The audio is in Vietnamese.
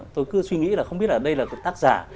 tôi cứ suy nghĩ là không biết đây là tác giả